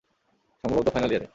সম্ভবত ফাইনাল ইয়ারে।